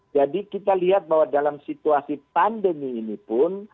jadi kita lihat bahwa dalam situasi pandemi ini pun